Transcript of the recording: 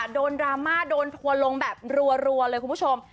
ดราม่าโดนทัวร์ลงแบบรัวเลยคุณผู้ชม